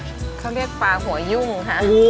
เขาเรียกปลาหัวยุ่งค่ะ